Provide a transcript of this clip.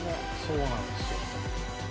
そうなんすよ。